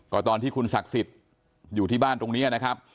ก็ตอนที่คุณศักดิ์สิทธิ์อยู่ที่บ้านตรงนี้นะครับ